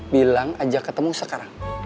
bilang ajak ketemu sekarang